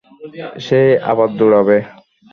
সে আবার দৌড়াবে।